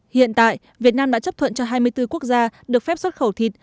hiện tại việt nam đã chấp thuận cho hai mươi bốn quốc gia được phép xuất khẩu thịt